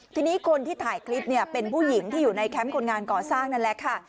ทีนี้คนที่ถ่ายคลิปเนี่ยเป็นผู้หญิงที่อยู่ในแคมป์คนงานก่อสร้างนั่นแหละค่ะ